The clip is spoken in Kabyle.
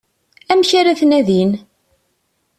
Amek ara t-nadin?